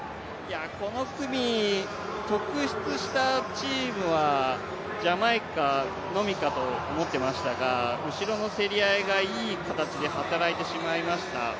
この組、特出したチームはジャマイカのみかと思ってましたが後ろの競り合いがいい形で働いてしまいました。